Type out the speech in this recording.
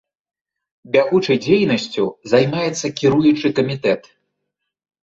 Бягучай дзейнасцю займаецца кіруючы камітэт.